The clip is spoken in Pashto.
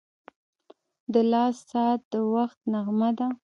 • د لاس ساعت د وخت نغمه ده.